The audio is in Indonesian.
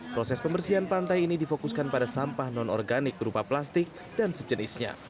proses pembersihan pantai ini difokuskan pada sampah non organik berupa plastik dan sejenisnya